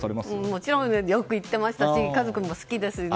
もちろんよく行っていましたし家族も好きですね。